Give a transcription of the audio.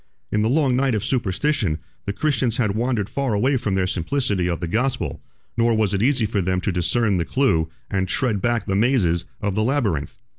In the long night of superstition, the Christians had wandered far away from the simplicity of the gospel: nor was it easy for them to discern the clew, and tread back the mazes, of the labyrinth.